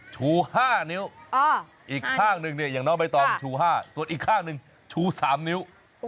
ชู๕นิ้วอีกข้างหนึ่งเนี่ยอย่างน้องใบตองชู๕ส่วนอีกข้างหนึ่งชู๓นิ้ว